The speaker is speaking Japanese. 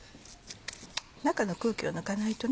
中の空気を抜かないとね